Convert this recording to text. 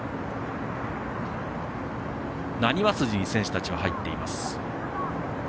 なにわ筋に選手たちは入っています。